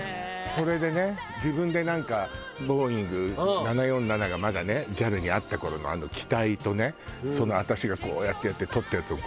それでね自分でなんかボーイング７４７がまだねＪＡＬにあった頃の機体とね私がこうやってやって撮ったやつを。